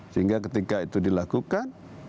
sehingga ketika itu dilakukan